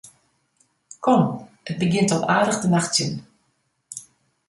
Kom, it begjint al aardich te nachtsjen.